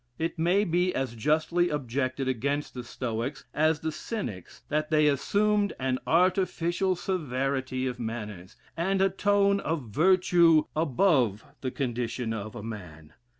It may be as justly objected against the Stoics as the Cynics, that they assumed an artificial severity of manners, and a tone of virtue above the condition of a man.